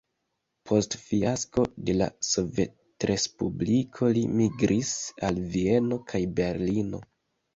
Post fiasko de la sovetrespubliko li migris al Vieno kaj Berlino.